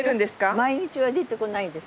毎日は出てこないです。